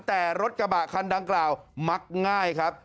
แต่รถกระบะคันดังกล่าวมักง่ายครับ